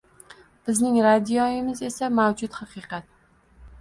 Bizning radiomiz esa mavjud haqiqat.